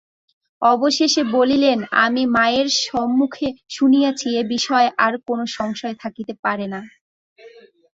অবশেষে বলিলেন, আমি মায়ের স্বমুখে শুনিয়াছি–এ বিষয়ে আর কোনো সংশয় থাকিতে পারে না।